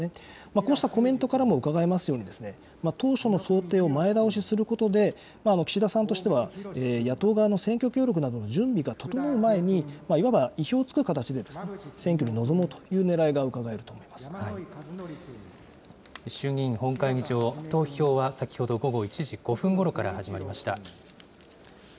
こうしたコメントからもうかがえますように、当初の想定を前倒しすることで、岸田さんとしては野党側の選挙協力などの準備が整う前に、いわば意表をつく形で、選挙に臨もうというねらいがうかが衆議院本会議場、投票は先ほど午後１時５分ごろから始まりました。